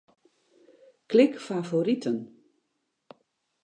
Klik Favoriten.